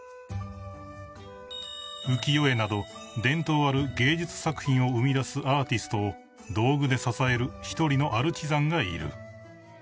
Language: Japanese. ［浮世絵など伝統ある芸術作品を生み出すアーティストを道具で支える一人のアルチザンがいる］